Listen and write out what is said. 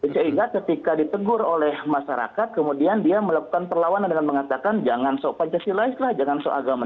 sehingga ketika ditegur oleh masyarakat kemudian dia melakukan perlawanan dengan mengatakan jangan so pancasilais lah jangan so agama